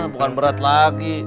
bukan berat lagi